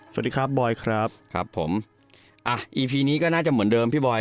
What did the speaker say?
สวัสดีครับบอยครับครับผมอ่ะอีพีนี้ก็น่าจะเหมือนเดิมพี่บอย